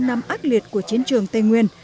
sau những tháng năm ác liệt của chiến trường tây nguyên